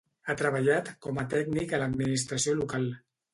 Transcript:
Ha treballat com a tècnic a l'administració local.